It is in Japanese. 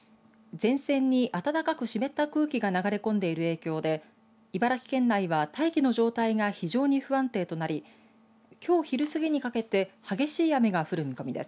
前線に暖かく湿った空気が流れ込んでいる影響で茨城県内は、大気の状態が非常に不安定となりきょう昼過ぎにかけて激しい雨が降る見込みです。